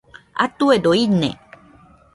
Atuedo ine